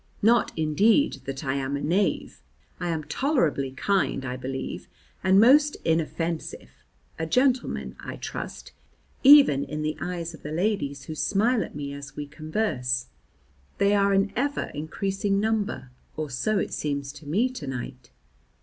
Not, indeed, that I am a knave; I am tolerably kind, I believe, and most inoffensive, a gentleman, I trust, even in the eyes of the ladies who smile at me as we converse; they are an ever increasing number, or so it seems to me to night.